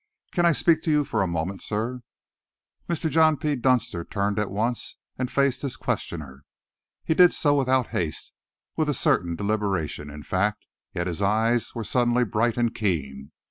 "Can I speak to you for a moment, sir?" Mr. John P. Dunster turned at once and faced his questioner. He did so without haste with a certain deliberation, in fact yet his eyes were suddenly bright and keen.